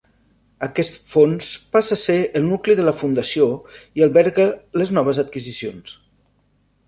Aquest fons passa a ser el nucli de la fundació i alberga les noves adquisicions.